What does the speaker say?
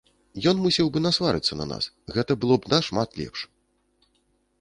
Ён мусіў бы насварыцца на нас, гэта было б нашмат лепш!